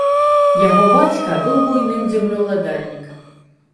Яго бацька быў буйным землеўладальнікам.